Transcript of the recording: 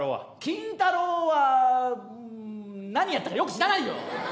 「金太郎」はうん何やったかよく知らないよ！